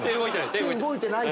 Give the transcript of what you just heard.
手動いてない。